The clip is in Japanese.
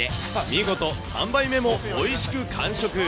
見事、３杯目もおいしく完食。